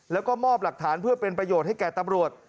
แล้วก็มอบหลักฐานเพื่อเป็นประโยชน์ให้แก่ตำรวจ